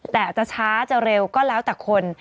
แต่จะช้าจะเร็วก็แล้วแต่คน